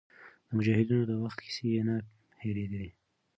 د مجاهدینو د وخت کیسې یې نه هېرېدې.